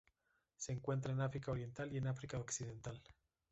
Se encuentra en África oriental y en África occidental.